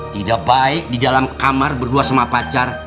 tidak baik di dalam kamar berdua sama pacar